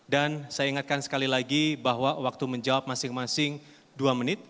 saya ingatkan sekali lagi bahwa waktu menjawab masing masing dua menit